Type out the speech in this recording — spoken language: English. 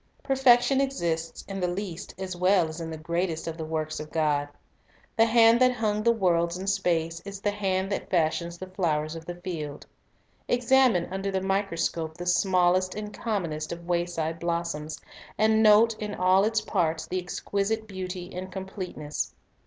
Perfection exists in the least as well as in the perfection greatest of the works of God. The hand that hung in Little . •1111 e 1 • 1 Things the worlds in space is the hand that fashions the flowers of the field. Examine under the ^microscope the smallest and commonest of wayside blossoms, and note in all its parts the exquisite beauty and complete ness.